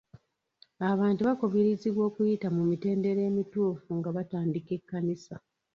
Abantu bakubirizibwa okuyita mu mitendera emituufu nga batandika ekkanisa,